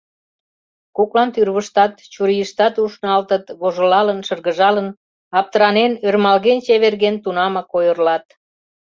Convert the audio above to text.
Коклан тӱрвыштат, чурийыштат ушналтыт, вожылалын, шыргыжалын, аптыранен, ӧрмалген, чеверген, тунамак ойырлат.